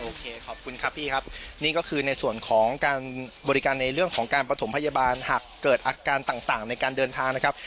โอเคขอบคุณครับพี่ครับนี่ก็คือในส่วนของการบริการในเรื่องของการประถมพยาบาลหากเกิดอาการต่างในการเดินทางนะครับ